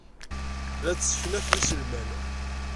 La d-sseknafeɣ iselman.